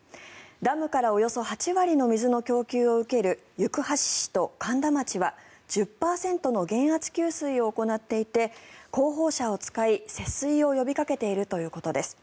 ダムからおよそ８割の水の供給を受ける行橋市と苅田町は１０％の減圧給水を行っていて広報車を使い、節水を呼びかけているということです。